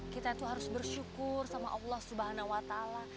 kita tuh harus bersyukur sama allah subhanahu wa ta'ala